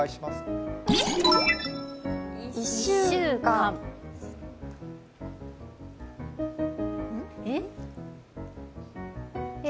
１週間え？